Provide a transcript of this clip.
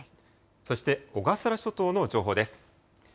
そして小笠原諸島の情報です。